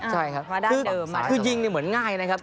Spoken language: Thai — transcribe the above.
ใช่ครับคือยิงเหมือนง่ายนะครับ